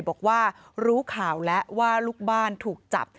บอกว่ารู้ข่าวแล้วว่าลูกบ้านถูกจับ